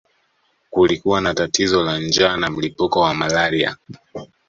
Kulikuwa na tatizo la njaa na mlipuko wa malaria